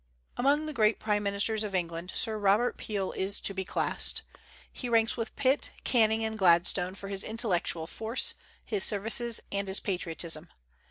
Among the great prime ministers of England Sir Robert Peel is to be classed. He ranks with Pitt, Canning, and Gladstone for his intellectual force, his services, and his patriotism.